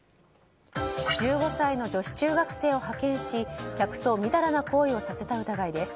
１５歳の女子中学生を派遣し客とみだらな行為をさせた疑いです。